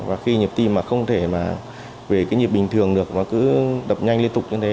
và khi nhịp tim mà không thể mà về cái nhịp bình thường được nó cứ đập nhanh liên tục như thế